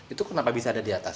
itu kenapa bisa ada di atas